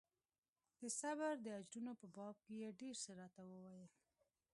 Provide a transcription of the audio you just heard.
د صبر د اجرونو په باب يې ډېر څه راته وويل.